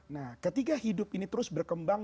nah ketika hidup ini terus berkembang